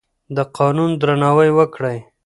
د قانون درناوی وکړئ.